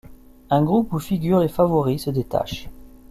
Un groupe où figure les favoris se détache.